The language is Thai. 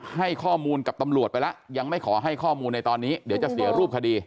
ให้ข้อมูลกับตำรวจไปแล้วยังไม่ขอให้ข้อมูลในตอนนี้เดี๋ยวจะเสียรูปคดี